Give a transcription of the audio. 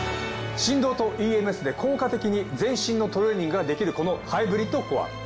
振動とＥＭＳで効果的に全身のトレーニングができるこのハイブリッドコア。